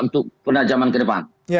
untuk penajaman ke depan